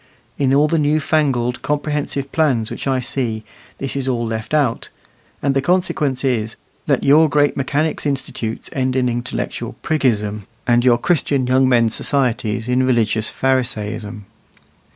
In all the new fangled comprehensive plans which I see, this is all left out; and the consequence is, that your great mechanics' institutes end in intellectual priggism, and your Christian young men's societies in religious Pharisaism.